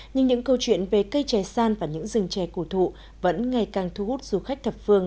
nhưng những câu chuyện về cây trẻ san và những rừng trẻ cổ thụ vẫn ngày càng thu hút du khách thập phương